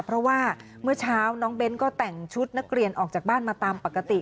เพราะว่าเมื่อเช้าน้องเบ้นก็แต่งชุดนักเรียนออกจากบ้านมาตามปกติ